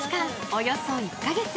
およそ１か月。